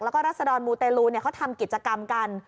แล้วก็รัศดรมูเตลูเขาทำกิจกรรมกัน